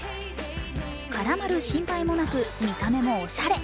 絡まる心配もなく見た目もおしゃれ。